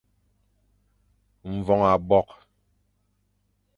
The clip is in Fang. Mvoñ abokh.